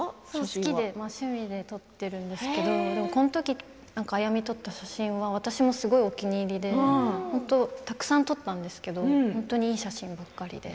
好きで趣味で撮っているんですけどこのときにあやみを撮った写真は私もすごいお気に入りでたくさん撮ったんですけど本当にいい写真ばかりで。